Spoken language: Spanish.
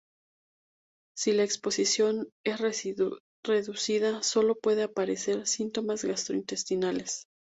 Si la exposición es reducida sólo pueden aparecer síntomas gastrointestinales.